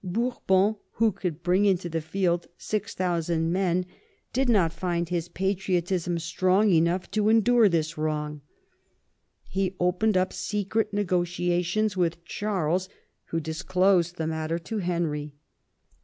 Bourbon, who could bring into the field 6000 men, did not find his patriotism strong enough to endure this wrong. He opened up secret negotiations with Charles, who disclosed the matter to Henry.